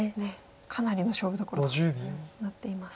かなりの勝負どころとなっています。